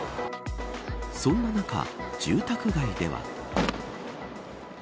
そんな中、住宅街では。